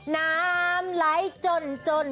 น้ำไหลจน